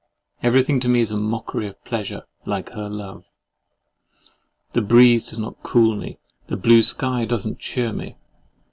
Everything is to me a mockery of pleasure, like her love. The breeze does not cool me: the blue sky does not cheer me.